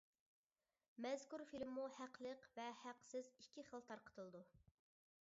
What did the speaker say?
مەزكۇر فىلىممۇ ھەقلىق ۋە ھەقسىز ئىككى خىل تارقىتىلىدۇ.